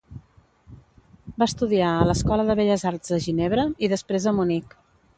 Va estudiar a l'escola de Belles arts de Ginebra i després a Munic.